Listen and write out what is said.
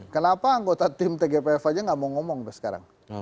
kenapa anggota tim tgpf saja tidak mau ngomong sampai sekarang